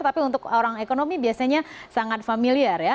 tapi untuk orang ekonomi biasanya sangat familiar ya